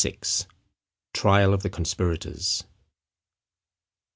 TRIAL OF THE CONSPIRATORS.